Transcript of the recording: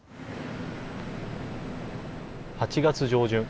８月上旬。